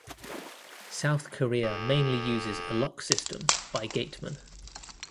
South Korea mainly uses a lock system by Gateman.